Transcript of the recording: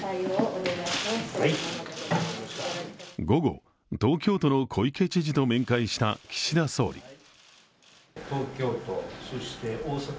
午後、東京都の小池知事と面会した岸田総理。